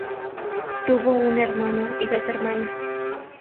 Tuvo un hermano y dos hermanas.